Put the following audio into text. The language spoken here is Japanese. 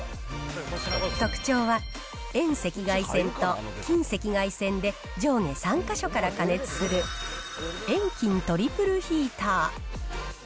特徴は、遠赤外線と近赤外線で上下３か所から加熱する遠近トリプルヒーター。